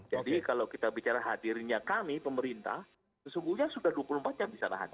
jadi kalau kita bicara hadirnya kami pemerintah sesungguhnya sudah dua puluh empat jam di sana